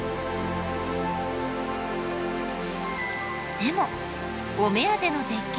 でもお目当ての絶景